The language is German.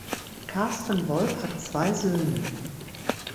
Carsten Wolff hat zwei Söhne.